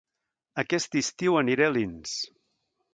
Aquest estiu aniré a Alins